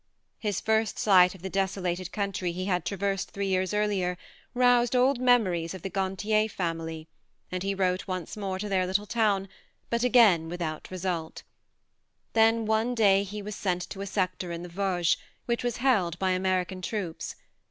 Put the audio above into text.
His first sight of the desolated country he had traversed three years earlier roused old memories of the Gantier family, and he wrote once more to their little town, but again without THE MARNE 69 result. Then one day he was sent to a sector in the Vosges which was held by American troops.